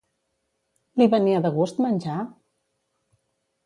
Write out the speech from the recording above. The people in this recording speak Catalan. Li venia de gust menjar?